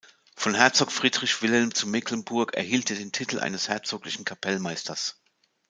Von Herzog Friedrich Wilhelm zu Mecklenburg erhielt er den Titel eines herzoglichen Kapellmeisters.